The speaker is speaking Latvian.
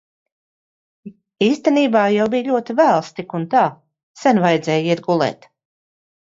Īstenībā jau bija ļoti vēls tik un tā. Sen vajadzēja iet gulēt.